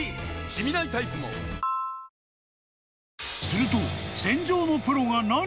［すると］